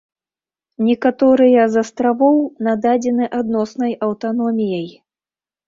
Некаторыя з астравоў нададзены адноснай аўтаноміяй.